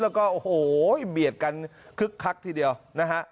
แล้วก็โอ้โหเบียดกันคึกคักทีเดียวนะฮะ